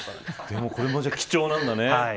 これも貴重なんだね。